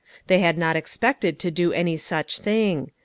They had not expected to do any such thing.